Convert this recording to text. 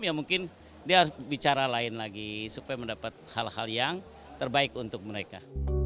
ya mungkin dia harus bicara lain lagi supaya mendapat hal hal yang terbaik untuk mereka